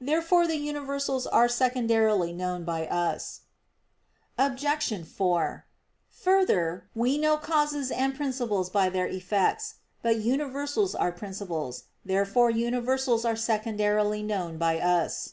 Therefore the universals are secondarily known by us. Obj. 4: Further, we know causes and principles by their effects. But universals are principles. Therefore universals are secondarily known by us.